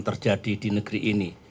terjadi di negeri ini